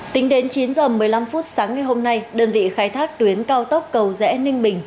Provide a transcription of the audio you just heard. tính đến chín h một mươi năm phút sáng ngày hôm nay đơn vị khai thác tuyến cao tốc cầu rẽ ninh bình